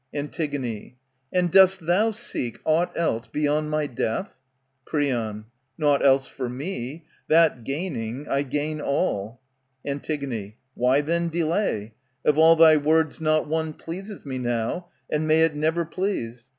Antig, And dost thou seek aught else beyond my death ? Creon, Nought else for me. Th^tgainingj^I^ain all. Antig, Why then delay ? OfaTTFRy words not one Pleases me now, (and may it never please